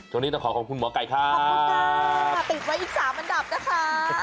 ต้องขอขอบคุณหมอไก่ค่ะขอบคุณค่ะติดไว้อีก๓อันดับนะคะ